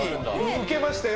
ウケましたよ。